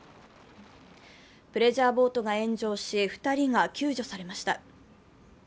プレジャーボートが炎上し、２人が救助されました。